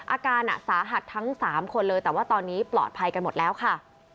อาการสาหัสทั้ง๓คนเลยแต่ว่าตอนนี้ปลอดภัยกันหมดแล้วค่ะ